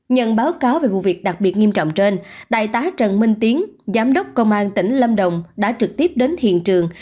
nhận báo cáo về vụ việc đặc biệt nghiêm trọng trên đại tá trần minh tiến giám đốc công an tỉnh lâm đồng đã trực tiếp đến hiện trường